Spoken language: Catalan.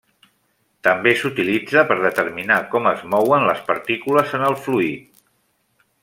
També s'utilitza per determinar com es mouen les partícules en el fluid.